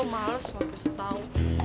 gua males harus tau